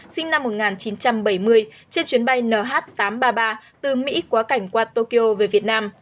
sinh năm một nghìn chín trăm bảy mươi trên chuyến bay nh tám trăm ba mươi ba từ mỹ quá cảnh qua tokyo về việt nam